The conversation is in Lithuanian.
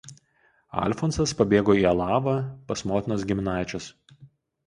Alfonsas pabėgo į Alavą pas motinos giminaičius.